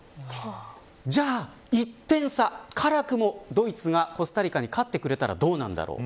じゃあ１点差辛くもドイツがコスタリカに勝ってくれたらどうなんだろう。